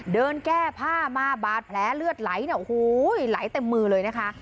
เดินแก้ผ้ามาบาดแผลเลือดไหลเนี่ยโอ้โหไหลเต็มมือเลยนะคะ